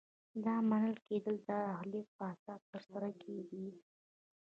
دا منل کیدل د اهلیت په اساس ترسره کیږي.